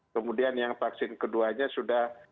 kemudian yang vaksin keduanya sudah